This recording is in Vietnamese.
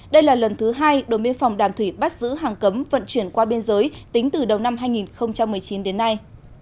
đây là lần thứ hai đồn biên phòng đàm thủy bắt giữ hàng cấm vận chuyển qua biên giới tính từ đầu năm hai nghìn một mươi chín đến nay